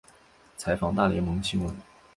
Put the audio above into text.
采访大联盟新闻。